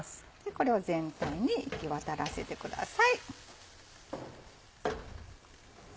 これを全体に行き渡らせてください。